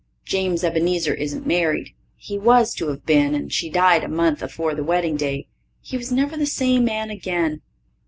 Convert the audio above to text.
James Ebenezer isn't married; he was to have been, and she died a month afore the wedding day. He was never the same man again.